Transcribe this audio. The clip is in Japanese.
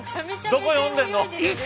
どこ読んでんの。